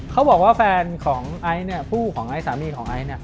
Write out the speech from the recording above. เขาบอกว่าแฟนของไอผู้ของไอสามีของไอ